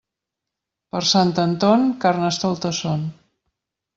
Per Sant Anton, carnestoltes són.